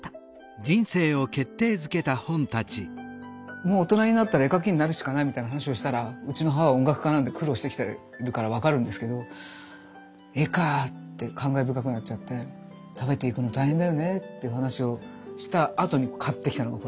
もう大人になったら絵描きになるしかないみたいな話をしたらうちの母は音楽家なんで苦労してきてるから分かるんですけど「絵かぁ」って感慨深くなっちゃって「食べていくの大変だよね」っていう話をしたあとに買ってきたのがこれね。